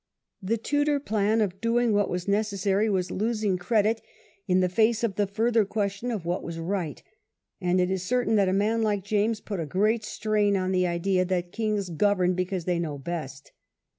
The Tudor plajA of doing what was necessary was losing credit in the f^K (962) IRISH AND FOREIGN QUESTIONS. II of the further question of what was right ; and it is certain that a man like James put a great strain on the idea that ^ kings govern because they know best.